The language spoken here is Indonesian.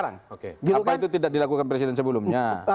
apa itu tidak dilakukan presiden sebelumnya